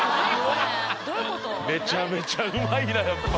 めちゃめちゃ上手いなやっぱ。